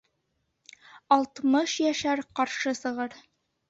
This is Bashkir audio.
Алтмыш йәшәр ҡаршы сығыр.